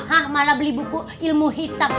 hah malah beli buku ilmu hitam